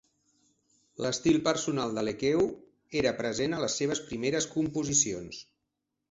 L'estil personal de Lekeu era present a les seves primeres composicions.